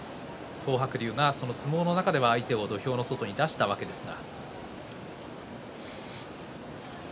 東白龍が、その相撲の中では相手を土俵の外に出したわけですが。